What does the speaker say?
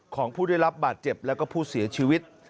ของผู้ได้รับบาดเจ็บและก็ผู้เสียชีวิต